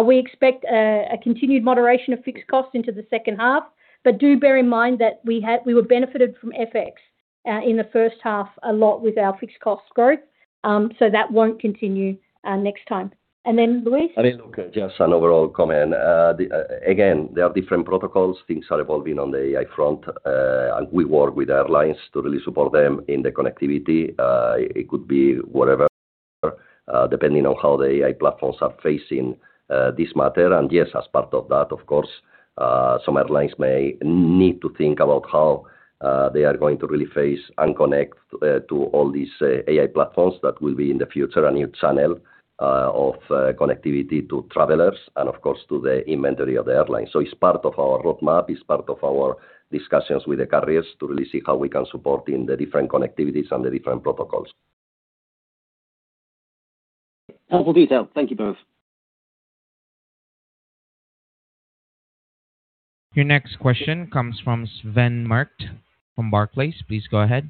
We expect a continued moderation of fixed costs into the second half, but do bear in mind that we were benefited from FX in the first half a lot with our fixed cost growth. That won't continue next time. Luis. I mean, look, just an overall comment. Again, there are different protocols. Things are evolving on the AI front. We work with airlines to really support them in the connectivity. It could be whatever, depending on how the AI platforms are facing this matter. Yes, as part of that, of course, some airlines may need to think about how they are going to really face and connect to all these AI platforms that will be in the future, a new channel of connectivity to travelers and of course to the inventory of the airline. It's part of our roadmap, it's part of our discussions with the carriers to really see how we can support in the different connectivities and the different protocols. Helpful detail. Thank you both. Your next question comes from Sven Merkt from Barclays. Please go ahead.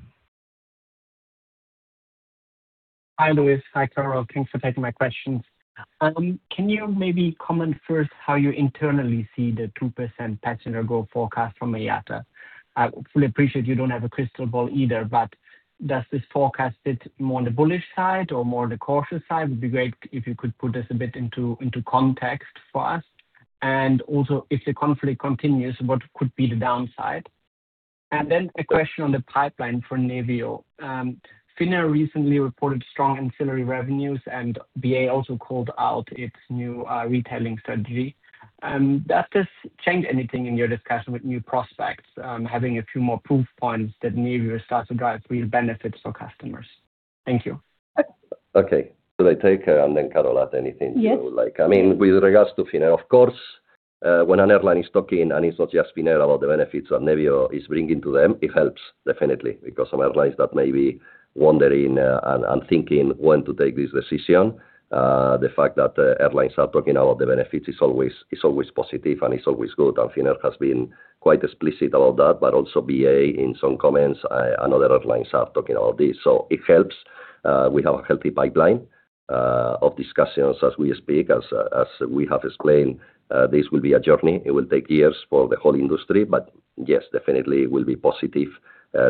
Hi, Luis. Hi, Carol. Thanks for taking my questions. Can you maybe comment first how you internally see the 2% passenger growth forecast from IATA? I fully appreciate you don't have a crystal ball either, but does this forecast sit more on the bullish side or more on the cautious side? Would be great if you could put this a bit into context for us. If the conflict continues, what could be the downside? Then a question on the pipeline for Nevio. Finnair recently reported strong ancillary revenues, and BA also called out its new retailing strategy. Does this change anything in your discussion with new prospects? Having a few more proof points that Nevio starts to drive real benefits for customers. Thank you. Okay. Should I take and then, Carol, add anything you would like? Yes. I mean, with regards to Finnair, of course, when an airline is talking, and it's not just Finnair, about the benefits that Nevio is bringing to them, it helps definitely because some airlines that may be wondering and thinking when to take this decision, the fact that airlines are talking about the benefits is always positive and is always good. Finnair has been quite explicit about that, but also BA in some comments and other airlines are talking about this, so it helps. We have a healthy pipeline of discussions as we speak. As we have explained, this will be a journey. It will take years for the whole industry. Yes, definitely it will be positive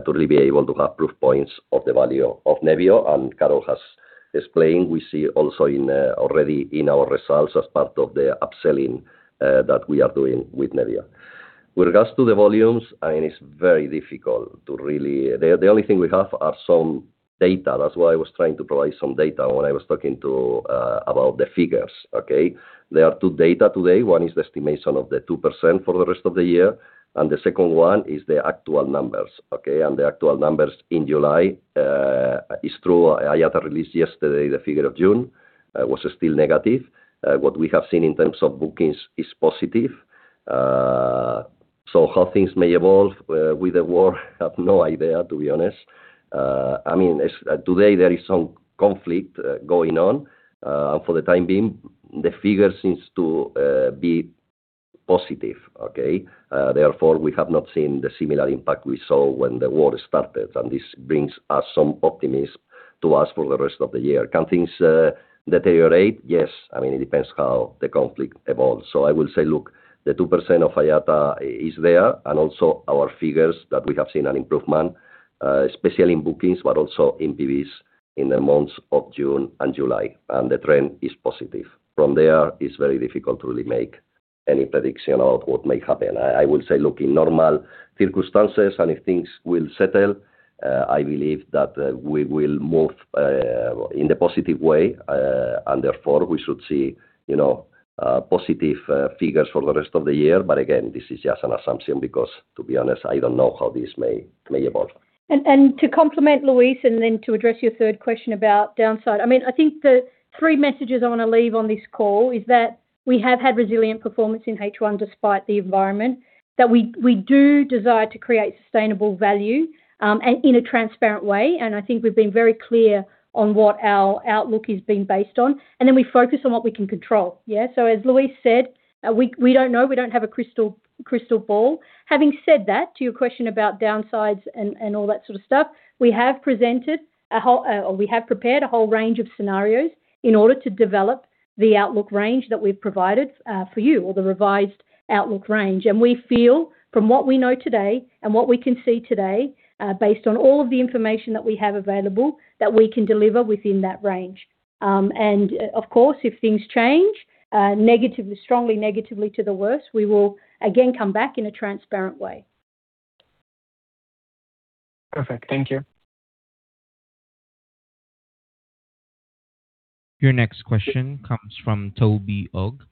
to really be able to have proof points of the value of Nevio. Carol has explained, we see also already in our results as part of the upselling that we are doing with Nevio. With regards to the volumes, I mean, it's very difficult to really. The only thing we have are some data. That's why I was trying to provide some data when I was talking about the figures, okay? There are two data today. One is the estimation of the 2% for the rest of the year, and the second one is the actual numbers, okay? The actual numbers in July is true. IATA released yesterday the figure of June, was still negative. What we have seen in terms of bookings is positive. How things may evolve with the war, I have no idea, to be honest. I mean, today there is some conflict going on. For the time being, the figure seems to be positive, okay? Therefore, we have not seen the similar impact we saw when the war started, and this brings us some optimism To us for the rest of the year. Can things deteriorate? Yes. It depends how the conflict evolves. I will say, look, the 2% of IATA is there, and also our figures that we have seen an improvement, especially in bookings, but also in PBs in the months of June and July, and the trend is positive. From there, it's very difficult to really make any prediction of what may happen. I will say, look, in normal circumstances and if things will settle, I believe that we will move in the positive way, and therefore, we should see positive figures for the rest of the year. Again, this is just an assumption because, to be honest, I don't know how this may evolve. To complement Luis, and then to address your third question about downside. I think the three messages I want to leave on this call is that we have had resilient performance in H1 despite the environment, that we do desire to create sustainable value, and in a transparent way, and I think we've been very clear on what our outlook is being based on, and then we focus on what we can control. Yeah, as Luis said, we don't know. We don't have a crystal ball. Having said that, to your question about downsides and all that sort of stuff, we have prepared a whole range of scenarios in order to develop the outlook range that we've provided for you or the revised outlook range. We feel from what we know today and what we can see today, based on all of the information that we have available, that we can deliver within that range. Of course, if things change strongly negatively to the worse, we will again come back in a transparent way. Perfect. Thank you. Your next question comes from Toby Ogg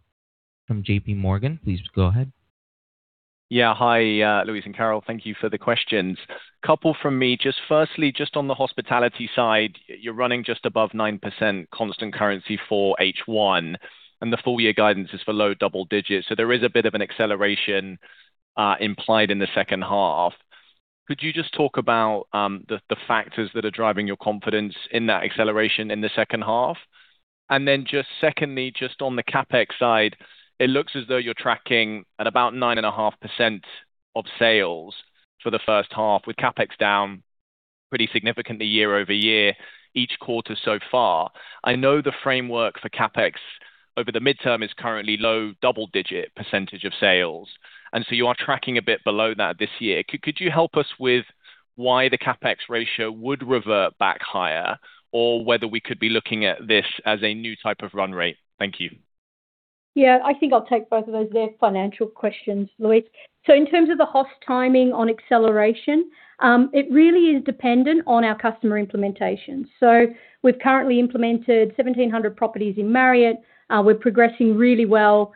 from JPMorgan. Please go ahead. Yeah. Hi, Luis and Carol. Thank you for the questions. Couple from me. Just firstly, just on the hospitality side, you're running just above 9% constant currency for H1. The full year guidance is for low double digits. There is a bit of an acceleration implied in the second half. Could you just talk about the factors that are driving your confidence in that acceleration in the second half? Then just secondly, just on the CapEx side, it looks as though you're tracking at about 9.5% of sales for the first half, with CapEx down pretty significantly year-over-year, each quarter so far. I know the framework for CapEx over the midterm is currently low double-digit percentage of sales. You are tracking a bit below that this year. Could you help us with why the CapEx ratio would revert back higher, whether we could be looking at this as a new type of run rate? Thank you. Yeah, I think I'll take both of those. They're financial questions, Luis. In terms of the host timing on acceleration, it really is dependent on our customer implementation. We've currently implemented 1,700 properties in Marriott. We're progressing really well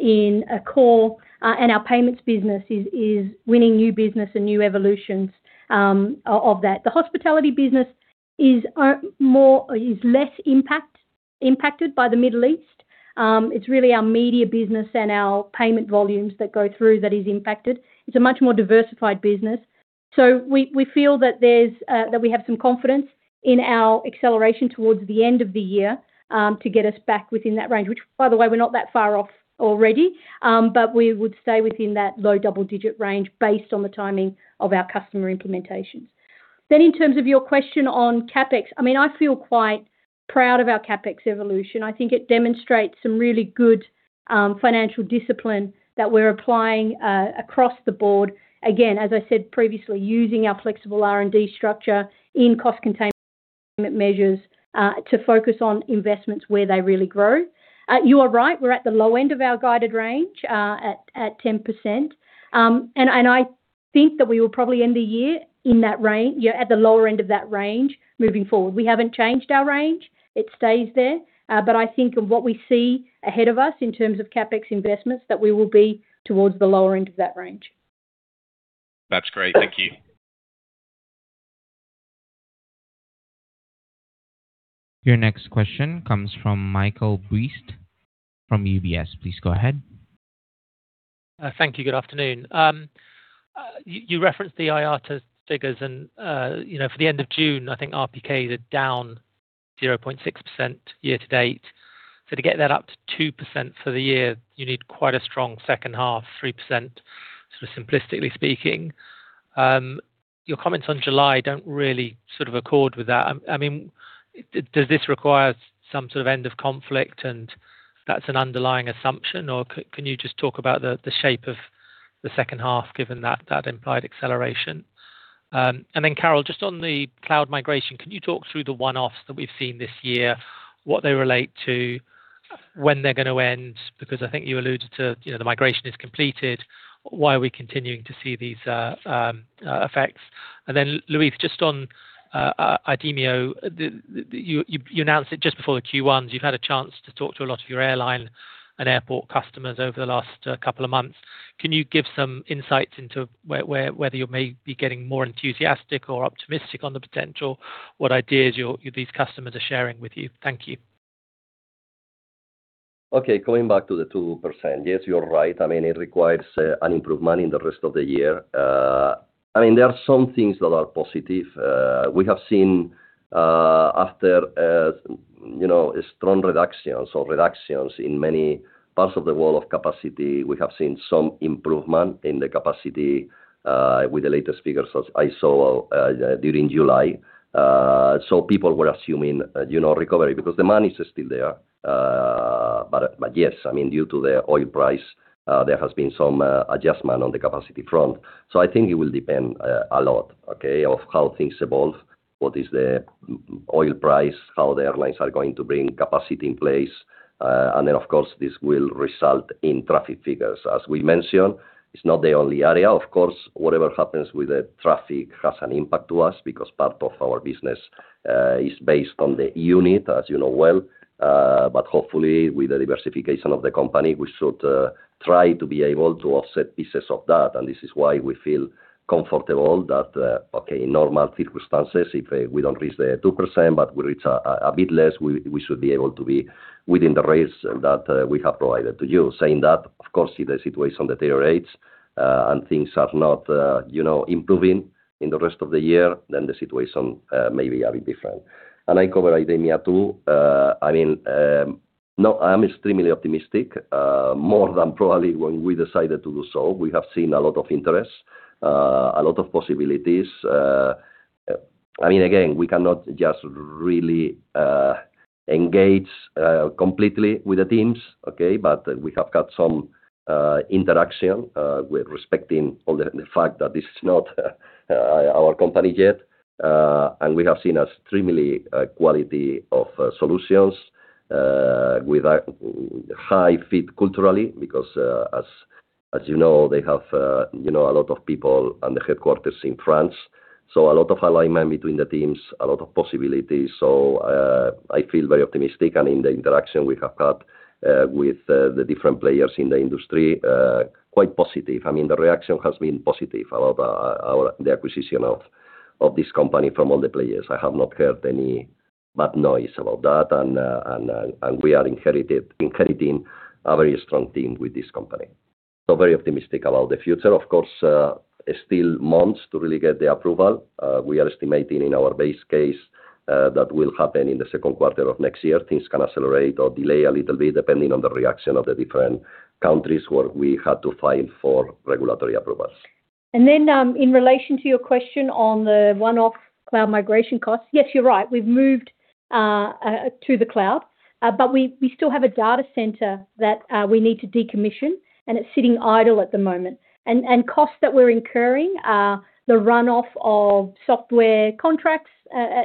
in core, and our payments business is winning new business and new evolutions of that. The hospitality business is less impacted by the Middle East. It's really our media business and our payment volumes that go through that is impacted. It's a much more diversified business. We feel that we have some confidence in our acceleration towards the end of the year to get us back within that range, which, by the way, we're not that far off already. We would stay within that low double-digit range based on the timing of our customer implementations. In terms of your question on CapEx, I feel quite proud of our CapEx evolution. I think it demonstrates some really good financial discipline that we're applying across the board. Again, as I said previously, using our flexible R&D structure in cost containment measures to focus on investments where they really grow. You are right, we're at the low end of our guided range, at 10%. I think that we will probably end the year at the lower end of that range moving forward. We haven't changed our range. It stays there. I think of what we see ahead of us in terms of CapEx investments, that we will be towards the lower end of that range. That's great. Thank you. Your next question comes from Michael Briest from UBS. Please go ahead. Thank you. Good afternoon. You referenced the IATA figures and, for the end of June, I think RPK is down 0.6% year to date. So to get that up to 2% for the year, you need quite a strong second half, 3%, simplistically speaking. Your comments on July don't really accord with that. Does this require some sort of end of conflict, and that's an underlying assumption, or can you just talk about the shape of the second half given that implied acceleration? Then Carol, just on the cloud migration, can you talk through the one-offs that we've seen this year, what they relate to, when they're going to end? Because I think you alluded to the migration is completed. Why are we continuing to see these effects? Then Luis, just on IDEMIA. You announced it just before the Q1s. You've had a chance to talk to a lot of your airline and airport customers over the last couple of months. Can you give some insights into whether you may be getting more enthusiastic or optimistic on the potential, what ideas these customers are sharing with you? Thank you. Going back to the 2%, yes, you're right. It requires an improvement in the rest of the year. There are some things that are positive. We have seen after strong reductions or reductions in many parts of the world of capacity. We have seen some improvement in the capacity, with the latest figures as I saw during July. People were assuming recovery because the money is still there. Yes, due to the oil price, there has been some adjustment on the capacity front. I think it will depend a lot, okay, of how things evolve, what is the oil price, how the airlines are going to bring capacity in place. Then, of course, this will result in traffic figures. As we mentioned, it's not the only area. Of course, whatever happens with the traffic has an impact to us because part of our business is based on the unit, as you know well. Hopefully, with the diversification of the company, we should try to be able to offset pieces of that. This is why we feel comfortable that, okay, in normal circumstances, if we don't reach the 2%, but we reach a bit less, we should be able to be within the range that we have provided to you. Saying that, of course, if the situation deteriorates and things are not improving in the rest of the year, the situation may be a bit different. I cover IDEMIA, too. I am extremely optimistic, more than probably when we decided to do so. We have seen a lot of interest, a lot of possibilities. Again, we cannot just really engage completely with the teams, okay? We have had some interaction with respecting the fact that this is not our company yet. We have seen extremely quality of solutions, with a high fit culturally, because, as you know, they have a lot of people and the headquarters in France. A lot of alignment between the teams, a lot of possibilities. I feel very optimistic and in the interaction we have had with the different players in the industry, quite positive. The reaction has been positive about the acquisition of this company from all the players. I have not heard any bad noise about that. We are inheriting a very strong team with this company. Very optimistic about the future. Of course, still months to really get the approval. We are estimating in our base case that will happen in the second quarter of next year. Things can accelerate or delay a little bit depending on the reaction of the different countries where we had to file for regulatory approvals. In relation to your question on the one-off cloud migration costs, yes, you're right. We've moved to the cloud. We still have a data center that we need to decommission, and it's sitting idle at the moment. Costs that we're incurring are the runoff of software contracts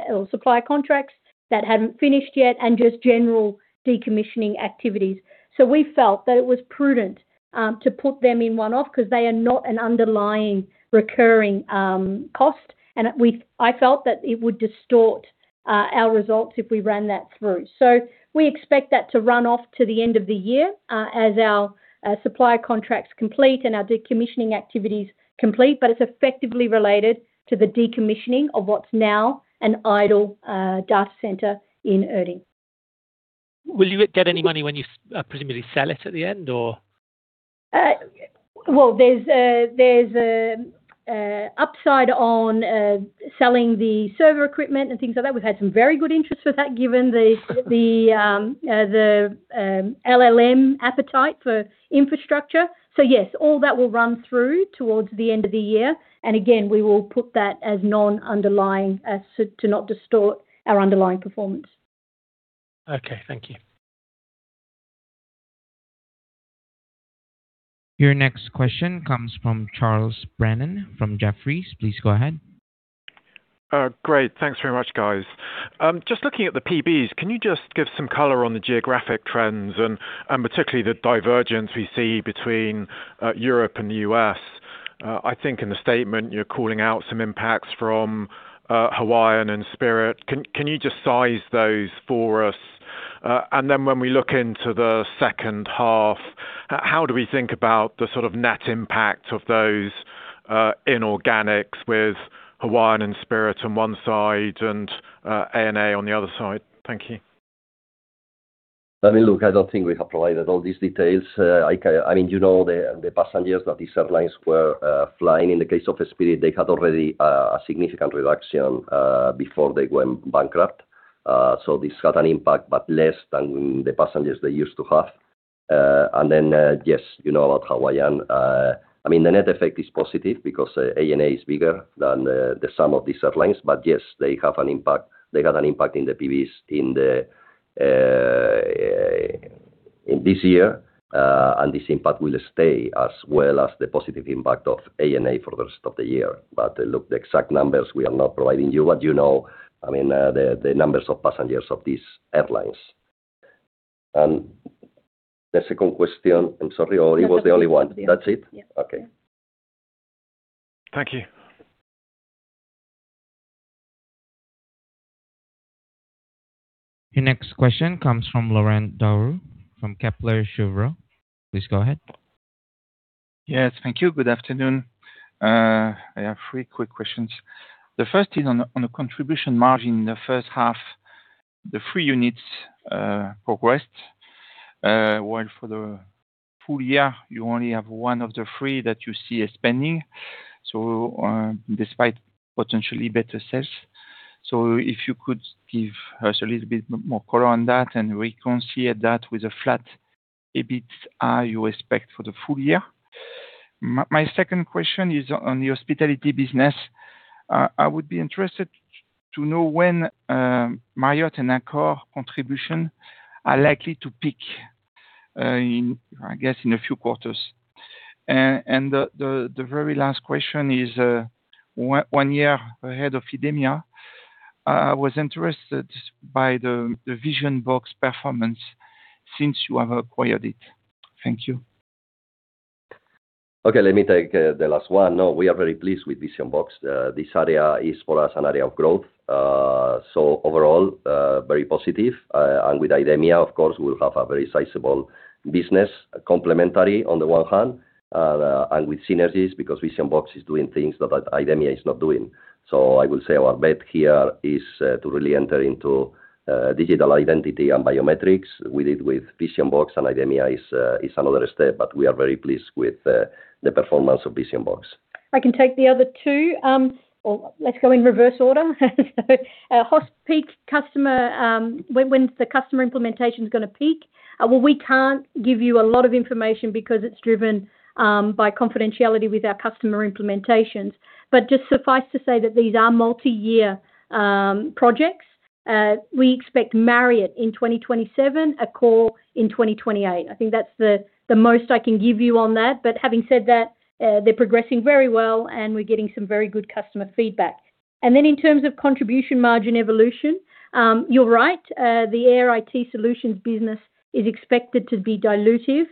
or supply contracts that haven't finished yet and just general decommissioning activities. We felt that it was prudent to put them in one-off because they are not an underlying recurring cost. I felt that it would distort our results if we ran that through. We expect that to run off to the end of the year as our supply contracts complete and our decommissioning activities complete, but it's effectively related to the decommissioning of what's now an idle data center in Erding. Will you get any money when you presumably sell it at the end or? Well, there's upside on selling the server equipment and things like that. We've had some very good interest for that given the LLM appetite for infrastructure. Yes, all that will run through towards the end of the year. Again, we will put that as non-underlying as to not distort our underlying performance. Okay. Thank you. Your next question comes from Charles Brennan from Jefferies. Please go ahead. Great. Thanks very much, guys. Just looking at the PBs, can you just give some color on the geographic trends and particularly the divergence we see between Europe and the U.S.? I think in the statement, you're calling out some impacts from Hawaiian and Spirit. Can you just size those for us? Then when we look into the second half, how do we think about the sort of net impact of those inorganics with Hawaiian and Spirit on one side and ANA on the other side? Thank you. Look, I don't think we have provided all these details. You know the passengers that these airlines were flying. In the case of Spirit, they had already a significant reduction, before they went bankrupt. This had an impact, but less than the passengers they used to have. Then, yes, you know about Hawaiian. The net effect is positive because ANA is bigger than the sum of these airlines. Yes, they have an impact. They had an impact in the PBs in this year, and this impact will stay as well as the positive impact of ANA for the rest of the year. Look, the exact numbers, we are not providing you, but you know the numbers of passengers of these airlines. The second question, I'm sorry, or it was the only one? That's it. That's it? Yeah. Okay. Thank you. Your next question comes from Laurent Daure from Kepler Cheuvreux. Please go ahead. Yes. Thank you. Good afternoon. I have three quick questions. The first is on the contribution margin in the first half, the three units progressed While for the full year, you only have one of the three that you see as spending, so despite potentially better sales. If you could give us a little bit more color on that and reconcile that with a flat EBIT you expect for the full year. My second question is on the hospitality business. I would be interested to know when Marriott and Accor contribution are likely to peak, I guess, in a few quarters. The very last question is, one year ahead of IDEMIA, I was interested by the Vision-Box performance since you have acquired it. Thank you. Okay. Let me take the last one. No, we are very pleased with Vision-Box. This area is, for us, an area of growth. Overall, very positive. With IDEMIA, of course, we'll have a very sizable business complimentary on the one hand, and with synergies because Vision-Box is doing things that IDEMIA is not doing. I will say our bet here is to really enter into digital identity and biometrics. We did with Vision-Box, and IDEMIA is another step, but we are very pleased with the performance of Vision-Box. I can take the other two. Let's go in reverse order. When's the customer implementation is going to peak? Well, we can't give you a lot of information because it's driven by confidentiality with our customer implementations. Just suffice to say that these are multi-year projects. We expect Marriott in 2027, Accor in 2028. I think that's the most I can give you on that. Having said that, they're progressing very well, and we're getting some very good customer feedback. Then in terms of contribution margin evolution, you're right, the Air IT solutions business is expected to be dilutive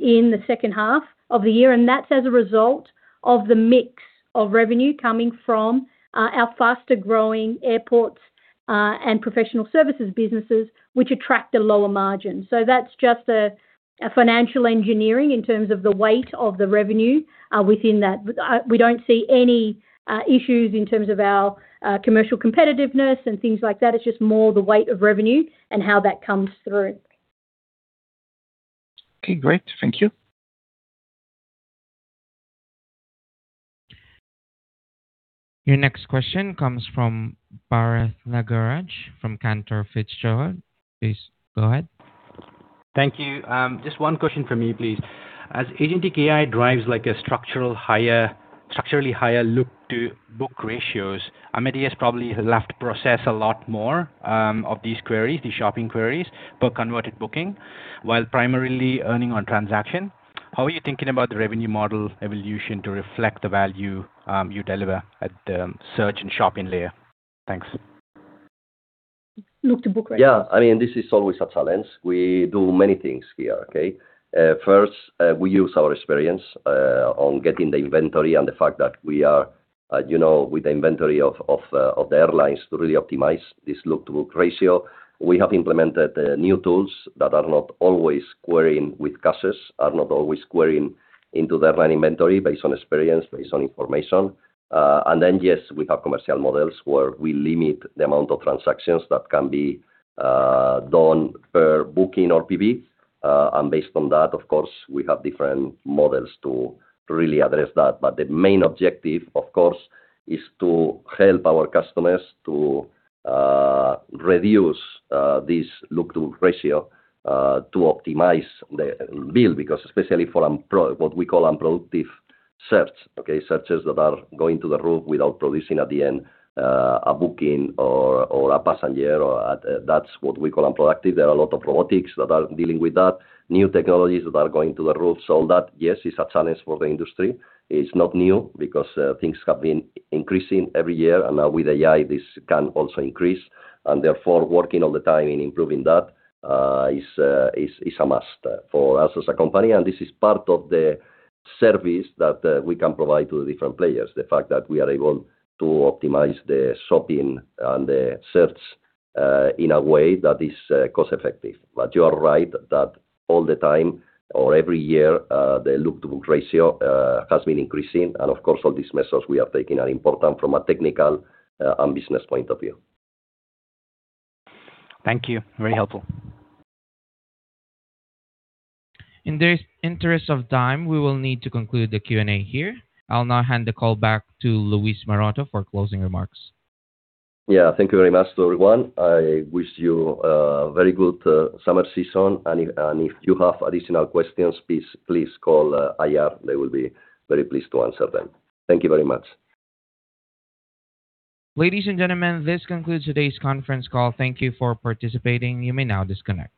in the second half of the year, and that's as a result of the mix of revenue coming from our faster-growing airports and professional services businesses, which attract a lower margin. That's just a financial engineering in terms of the weight of the revenue within that. We don't see any issues in terms of our commercial competitiveness and things like that. It's just more the weight of revenue and how that comes through. Okay, great. Thank you. Your next question comes from Bharath Nagaraj from Cantor Fitzgerald. Please go ahead. Thank you. Just one question from me, please. As agentic AI drives structurally higher look-to-book ratios, Amadeus probably will have to process a lot more of these queries, these shopping queries, per converted booking while primarily earning on transaction. How are you thinking about the revenue model evolution to reflect the value you deliver at the search and shopping layer? Thanks. Look-to-book ratio. Yeah. This is always a challenge. We do many things here, okay? First, we use our experience on getting the inventory and the fact that we are with the inventory of the airlines to really optimize this look-to-book ratio. We have implemented new tools that are not always querying with caches, are not always querying into the airline inventory based on experience, based on information. Then yes, we have commercial models where we limit the amount of transactions that can be done per booking or PB. Based on that, of course, we have different models to really address that. The main objective, of course, is to help our customers to reduce this look-to-book ratio to optimize the bill, because especially for what we call unproductive search, okay? Searches that are going to the route without producing, at the end, a booking or a passenger, that's what we call unproductive. There are a lot of robotics that are dealing with that, new technologies that are going to the route. All that, yes, is a challenge for the industry. It's not new because things have been increasing every year, and now with AI, this can also increase, therefore, working all the time in improving that is a must for us as a company. This is part of the service that we can provide to the different players. The fact that we are able to optimize the shopping and the search in a way that is cost-effective. You are right that all the time or every year, the look-to-book ratio has been increasing, of course, all these measures we are taking are important from a technical and business point of view. Thank you. Very helpful. In the interest of time, we will need to conclude the Q&A here. I'll now hand the call back to Luis Maroto for closing remarks. Yeah. Thank you very much to everyone. I wish you a very good summer season. If you have additional questions, please call IR. They will be very pleased to answer them. Thank you very much. Ladies and gentlemen, this concludes today's conference call. Thank you for participating. You may now disconnect.